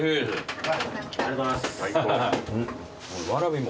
ありがとうございます。